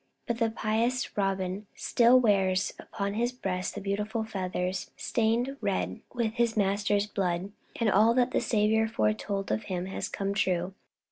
But the pious Robin still wears upon his breast the beautiful feathers stained red with his Master's blood. And all that the Saviour foretold of him has come true.